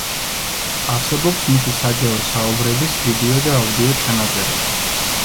არსებობს მისი საჯარო საუბრების ვიდეო და აუდიო ჩანაწერები.